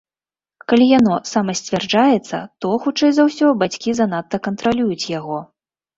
Калі яно самасцвярджаецца, то, хутчэй за ўсё, бацькі занадта кантралююць яго.